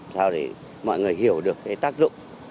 sao để mọi người hiểu được tác dụng